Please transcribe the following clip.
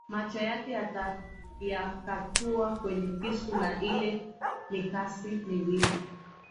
Macho yake yakatua kwenye kisu na ile mikasi miwili